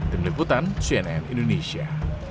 tim liputan cnn indonesia